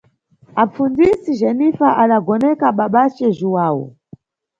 apfundzisi Jenifa adagoneka babace Jhuwawu.